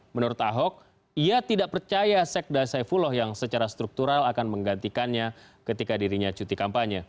menurut ahok ia tidak percaya sekda saifullah yang secara struktural akan menggantikannya ketika dirinya cuti kampanye